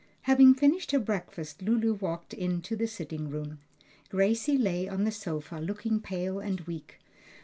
Having finished her breakfast, Lulu walked into the sitting room. Gracie lay on the sofa looking pale and weak.